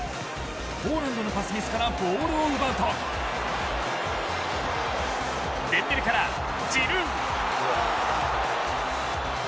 ポーランドのパスミスからボールを奪うとデンベレからジルー。